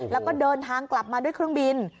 แล้วก็เดินทางกลับมาด้วยเครื่องบิน